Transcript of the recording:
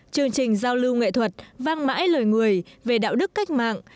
chương trình giao lưu nghệ thuật vang mãi lời người về đạo đức cách mạng